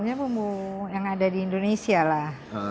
ada di indonesia lah